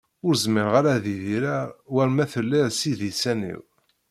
Ur zmireɣ ara ad idireɣ war ma telliḍ s idisan-iw.